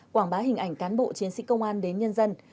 quảng bá hình ảnh cán bộ chiến sĩ công an đến nhân dân